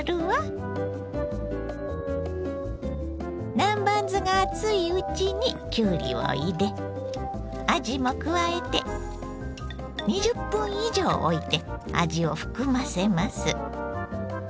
南蛮酢が熱いうちにきゅうりを入れあじも加えて２０分以上おいて味を含ませます。